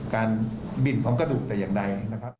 การบินของกระดูกแต่อย่างใดนะครับ